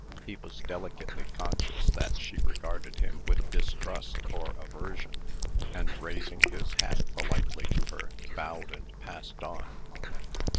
He was delicately conscious that she regarded him with distrust or aversion; and, raising his hat politely to her, bowed, and passed on.